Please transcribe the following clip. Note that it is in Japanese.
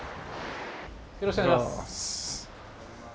よろしくお願いします。